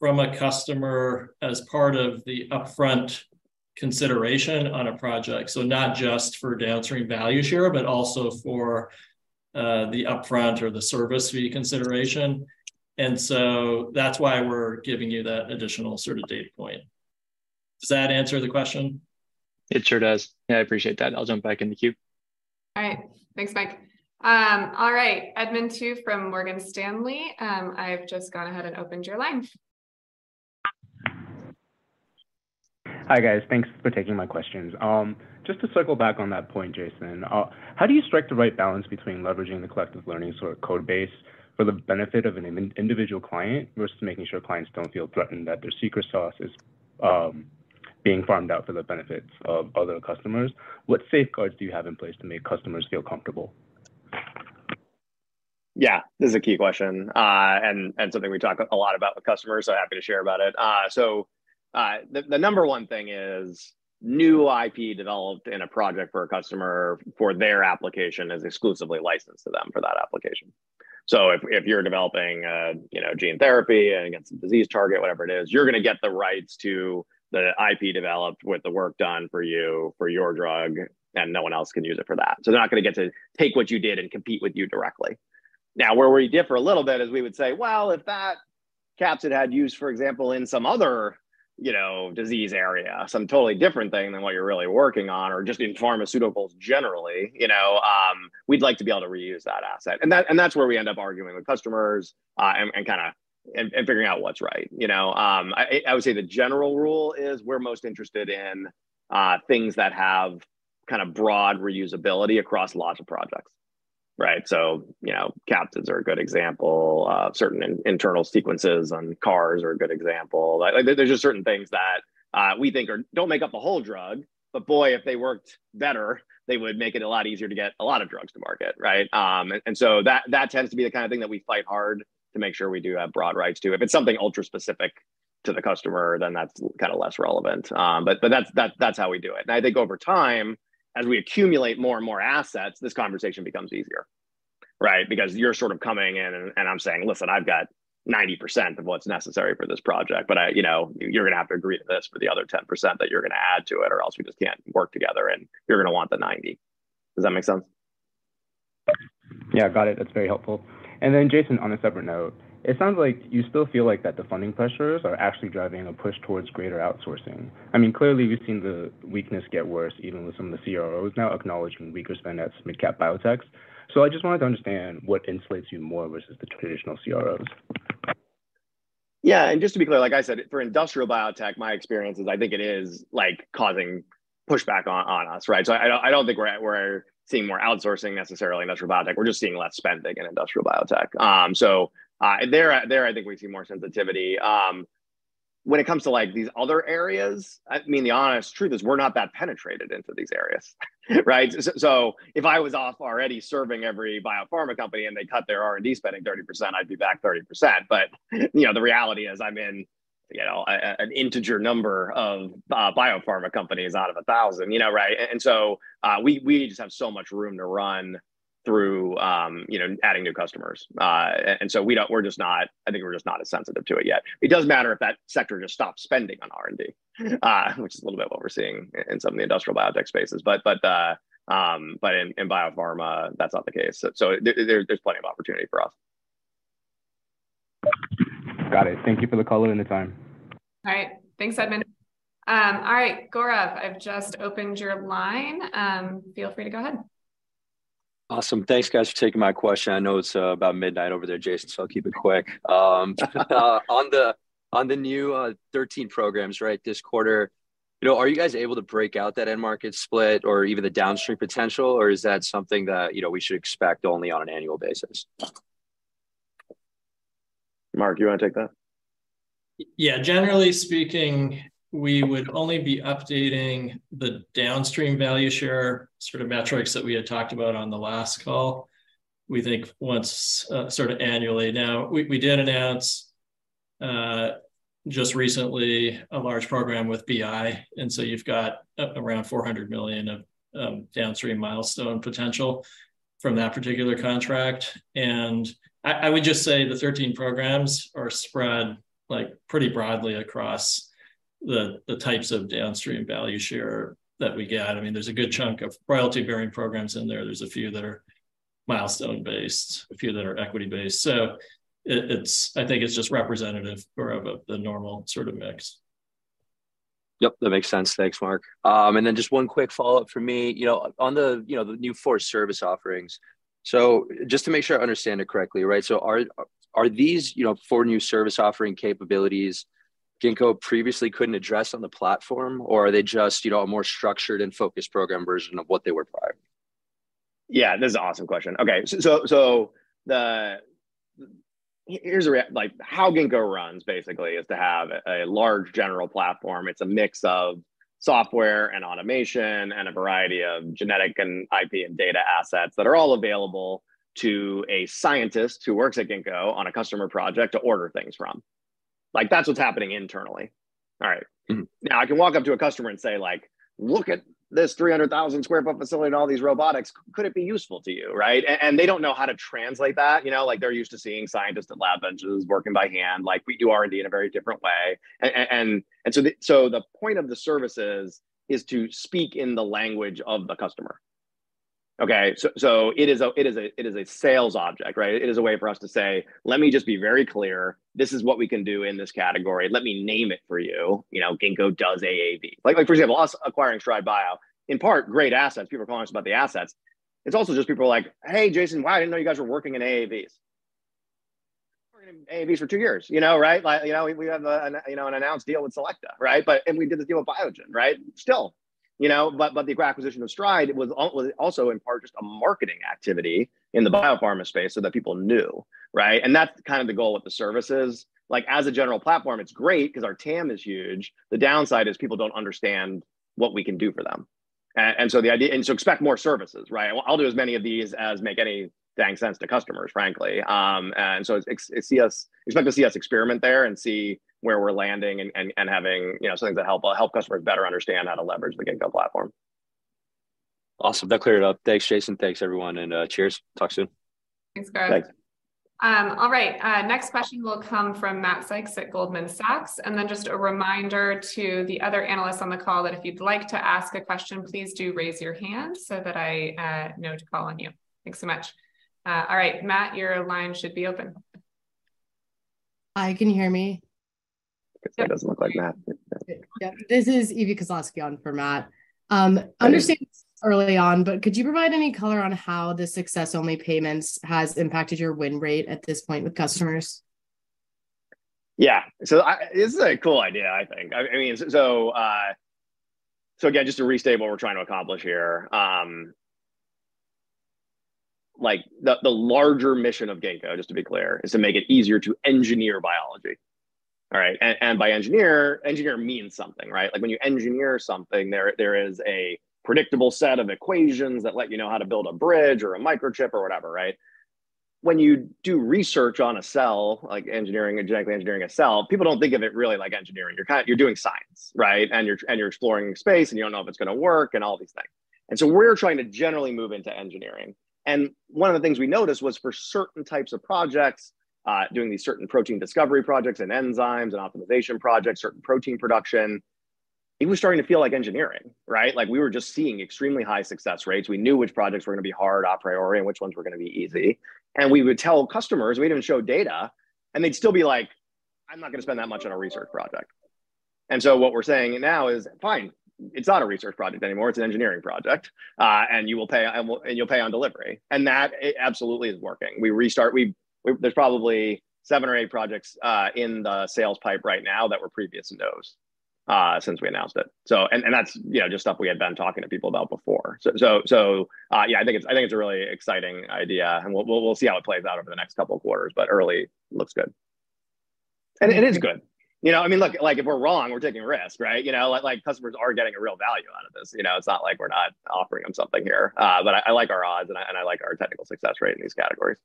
[SPEAKER 3] from a customer as part of the upfront consideration on a project. Not just for downstream value share, but also for the upfront or the service fee consideration. That's why we're giving you that additional sort of data point. Does that answer the question?
[SPEAKER 4] It sure does. Yeah, I appreciate that. I'll jump back in the queue.
[SPEAKER 1] All right. Thanks, Mike. All right. Edmund Tu from Morgan Stanley, I've just gone ahead and opened your line.
[SPEAKER 5] Hi, guys. Thanks for taking my questions. Just to circle back on that point, Jason, how do you strike the right balance between leveraging the collective learning sort of code base for the benefit of an individual client versus making sure clients don't feel threatened that their secret sauce is being farmed out for the benefits of other customers? What safeguards do you have in place to make customers feel comfortable?
[SPEAKER 2] Yeah, this is a key question, and something we talk a lot about with customers, so happy to share about it. The number one thing is new IP developed in a project for a customer for their application is exclusively licensed to them for that application. If you're developing a, you know, gene therapy against a disease target, whatever it is, you're gonna get the rights to the IP developed with the work done for you for your drug, and no one else can use it for that. They're not gonna get to take what you did and compete with you directly. Where we differ a little bit is we would say, well, if that capsid had use, for example, in some other, you know, disease area, some totally different thing than what you're really working on or just in pharmaceuticals generally, you know, we'd like to be able to reuse that asset. That, and that's where we end up arguing with customers, and kinda and figuring out what's right, you know. I would say the general rule is we're most interested in things that have kind of broad reusability across lots of projects, right? You know, capsids are a good example. Certain internal sequences on CARs are a good example. Like, there's just certain things that we think are... don't make up a whole drug, but boy, if they worked better, they would make it a lot easier to get a lot of drugs to market, right? So that tends to be the kind of thing that we fight hard to make sure we do have broad rights to. If it's something ultra specific to the customer, then that's kind of less relevant. That's how we do it. I think over time, as we accumulate more and more assets, this conversation becomes easier, right? You're sort of coming in and I'm saying, "Listen, I've got 90% of what's necessary for this project, but I, you know, you're gonna have to agree to this for the other 10% that you're gonna add to it, or else we just can't work together, and you're gonna want the 90." Does that make sense?
[SPEAKER 5] Yeah, got it. That's very helpful. Then Jason, on a separate note, it sounds like you still feel like that the funding pressures are actually driving a push towards greater outsourcing. I mean, clearly you've seen the weakness get worse even with some of the CROs now acknowledging weaker spend at mid-cap biotechs. I just wanted to understand what insulates you more versus the traditional CROs.
[SPEAKER 2] Just to be clear, like I said, for industrial biotech, my experience is I think it is, like, causing pushback on us, right? I don't think we're seeing more outsourcing necessarily in industrial biotech, we're just seeing less spending in industrial biotech. There I think we see more sensitivity. When it comes to, like, these other areas, I mean, the honest truth is we're not that penetrated into these areas, right? If I was off already serving every biopharma company and they cut their R&D spending 30%, I'd be back 30%. You know, the reality is I'm in, you know, an integer number of biopharma companies out of 1,000, you know, right? We just have so much room to run through, you know, adding new customers. I think we're just not as sensitive to it yet. It does matter if that sector just stops spending on R&D.
[SPEAKER 1] Mm-hmm
[SPEAKER 2] Which is a little bit what we're seeing in some of the industrial biotech spaces. In biopharma, that's not the case. There's plenty of opportunity for us.
[SPEAKER 1] Got it. Thank you for the color and the time. All right. Thanks, Edmund. All right, Gaurav, I've just opened your line. Feel free to go ahead.
[SPEAKER 6] Awesome. Thanks, guys, for taking my question. I know it's about midnight over there, Jason, so I'll keep it quick. On the new 13 programs, right, this quarter, you know, are you guys able to break out that end market split or even the downstream potential, or is that something that, you know, we should expect only on an annual basis?
[SPEAKER 2] Mark, you wanna take that?
[SPEAKER 3] Yeah. Generally speaking, we would only be updating the downstream value share sort of metrics that we had talked about on the last call, we think once, sort of annually. We did announce, just recently a large program with BI, you've got around $400 million of downstream milestone potential from that particular contract. I would just say the 13 programs are spread, like, pretty broadly across the types of downstream value share that we get. I mean, there's a good chunk of royalty-bearing programs in there. There's a few that are milestone-based, a few that are equity-based. It's I think it's just representative of the normal sort of mix.
[SPEAKER 6] Yep, that makes sense. Thanks, Mark. Just one quick follow-up from me. You know, on the, you know, the new four service offerings, just to make sure I understand it correctly, right? Are these, you know, four new service offering capabilities Ginkgo previously couldn't address on the platform, or are they just, you know, a more structured and focused program version of what they were prior?
[SPEAKER 2] Yeah. That's an awesome question. Okay. Like, how Ginkgo runs basically is to have a large general platform. It's a mix of software and automation and a variety of genetic and IP and data assets that are all available to a scientist who works at Ginkgo on a customer project to order things from. Like, that's what's happening internally. All right.
[SPEAKER 6] Mm-hmm.
[SPEAKER 2] Now, I can walk up to a customer and say, like, "Look at this 300,000 sq ft facility and all these robotics. Could it be useful to you?" Right? They don't know how to translate that. You know, like, they're used to seeing scientists at lab benches working by hand. Like, we do R&D in a very different way. So the point of the services is to speak in the language of the customer. Okay? It is a sales object, right? It is a way for us to say, "Let me just be very clear. This is what we can do in this category. Let me name it for you. You know, Ginkgo does AAV." Like for example, us acquiring StrideBio, in part great assets. People are calling us about the assets. It's also just people are like, "Hey, Jason, wow, I didn't know you guys were working in AAVs." We've been working in AAVs for two years. You know, right? Like, you know, we have an announced deal with Selecta, right? We did the deal with Biogen, right? Still, you know, but the acquisition of Stride was also in part just a marketing activity in the biopharma space so that people knew, right? That's kind of the goal with the services. Like, as a general platform, it's great 'cause our TAM is huge. The downside is people don't understand what we can do for them. Expect more services, right? I'll do as many of these as make any dang sense to customers, frankly. expect to see us experiment there and see where we're landing and having, you know, something to help customers better understand how to leverage the Ginkgo platform.
[SPEAKER 6] Awesome. That cleared it up. Thanks, Jason. Thanks, everyone, and cheers. Talk soon.
[SPEAKER 1] Thanks, guys.
[SPEAKER 2] Thanks.
[SPEAKER 1] All right. Next question will come from Matt Sykes at Goldman Sachs. Just a reminder to the other analysts on the call that if you'd like to ask a question, please do raise your hand so that I know to call on you. Thanks so much. All right, Matt, your line should be open.
[SPEAKER 7] Hi, can you hear me?
[SPEAKER 2] It doesn't look like Matt.
[SPEAKER 7] This is Elizabeth Koslosky on for Matt. I understand early on, but could you provide any color on how the success only payments has impacted your win rate at this point with customers?
[SPEAKER 2] Yeah. This is a cool idea, I think. I mean, again, just to restate what we're trying to accomplish here, like the larger mission of Ginkgo, just to be clear, is to make it easier to engineer biology. All right? And by engineer means something, right? Like when you engineer something, there is a predictable set of equations that let you know how to build a bridge or a microchip or whatever, right? When you do research on a cell, like engineering, genetically engineering a cell, people don't think of it really like engineering. You're doing science, right? And you're exploring space, and you don't know if it's gonna work and all these things. We're trying to generally move into engineering. One of the things we noticed was for certain types of projects, doing these certain protein discovery projects and enzymes and optimization projects, certain protein production, it was starting to feel like engineering, right? Like, we were just seeing extremely high success rates. We knew which projects were gonna be hard a priori and which ones were gonna be easy. We would tell customers, we didn't show data, and they'd still be like, "I'm not gonna spend that much on a research project." What we're saying now is, "Fine, it's not a research project anymore, it's an engineering project. You will pay... and you'll pay on delivery." That absolutely is working. We... there's probably seven or eight projects in the sales pipe right now that were previous nos since we announced it. That's, you know, just stuff we had been talking to people about before. Yeah, I think it's a really exciting idea, and we'll see how it plays out over the next couple of quarters, but early looks good. It is good. You know, I mean, look, like, if we're wrong, we're taking a risk, right? You know? Like customers are getting a real value out of this, you know? It's not like we're not offering them something here. But I like our odds and I like our technical success rate in these categories.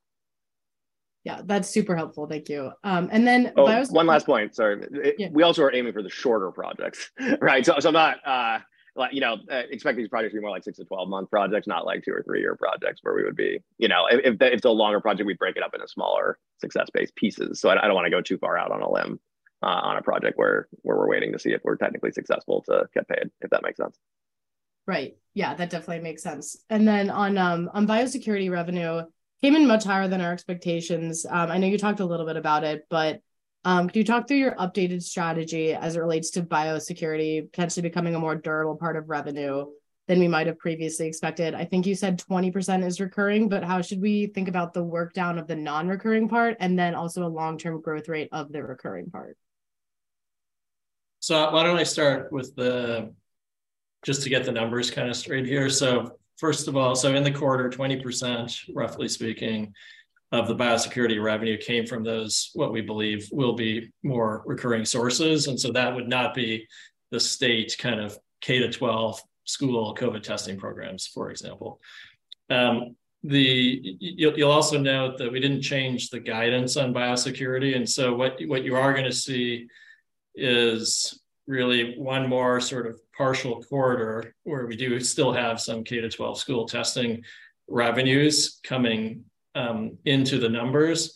[SPEAKER 7] Yeah. That's super helpful. Thank you.
[SPEAKER 2] Oh, one last point. Sorry.
[SPEAKER 7] Yeah.
[SPEAKER 2] We also are aiming for the shorter projects, right? I'm not, like, you know, expect these projects to be more like 6-12-month projects, not like two or three-year projects where we would be, you know. If it's a longer project, we break it up into smaller success-based pieces. I don't wanna go too far out on a limb, on a project where we're waiting to see if we're technically successful to get paid, if that makes sense.
[SPEAKER 7] Right. Yeah, that definitely makes sense. On biosecurity revenue, came in much higher than our expectations. I know you talked a little bit about it, but could you talk through your updated strategy as it relates to biosecurity potentially becoming a more durable part of revenue than you might have previously expected? I think you said 20% is recurring, but how should we think about the work down of the non-recurring part, and then also a long-term growth rate of the recurring part?
[SPEAKER 3] Why don't I start with just to get the numbers kind of straight here. First of all, in the quarter, 20%, roughly speaking, of the biosecurity revenue came from those, what we believe will be more recurring sources. That would not be the state kind of K-12 school COVID testing programs, for example. You'll also note that we didn't change the guidance on biosecurity, what you are gonna see is really one more sort of partial quarter where we do still have some K-12 school testing revenues coming into the numbers.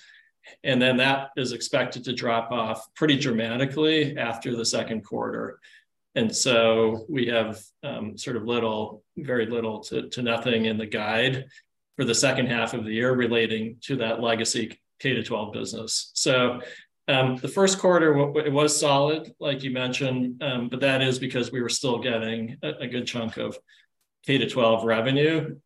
[SPEAKER 3] That is expected to drop off pretty dramatically after the Q2. We have sort of little, very little to nothing in the guide for the second half of the year relating to that legacy K-12 business. The Q1 it was solid, like you mentioned, but that is because we were still getting a good chunk of K-12 revenue.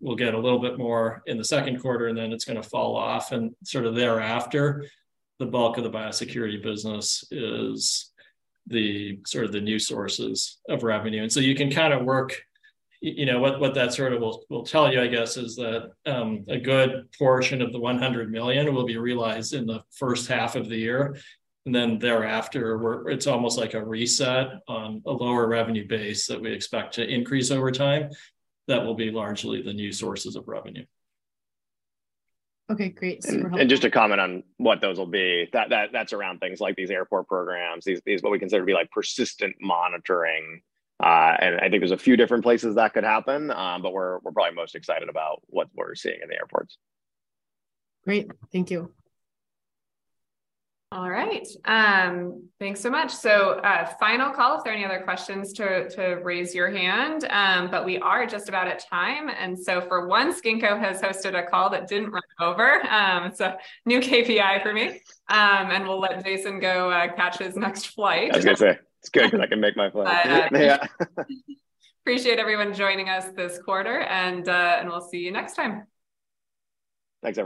[SPEAKER 3] We'll get a little bit more in the Q2 and then it's gonna fall off and sort of thereafter. The bulk of the biosecurity business is the sort of the new sources of revenue. You can kind of work, you know, what that sort of will tell you I guess, is that a good portion of the $100 million will be realized in the first half of the year, and then thereafter we're... it's almost like a reset on a lower revenue base that we expect to increase over time that will be largely the new sources of revenue.
[SPEAKER 7] Okay, great. Helpful.
[SPEAKER 2] Just to comment on what those will be, that's around things like these airport programs, what we consider to be like persistent monitoring. I think there's a few different places that could happen, but we're probably most excited about what we're seeing in the airports.
[SPEAKER 7] Great. Thank you.
[SPEAKER 1] All right. Thanks so much. Final call if there are any other questions to raise your hand. We are just about at time, and so for once, Ginkgo has hosted a call that didn't run over. New KPI for me. We'll let Jason go catch his next flight.
[SPEAKER 2] I was gonna say, it's good that I can make my flight.
[SPEAKER 1] Appreciate everyone joining us this quarter and we'll see you next time.
[SPEAKER 2] Thanks, everyone.